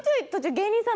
芸人さん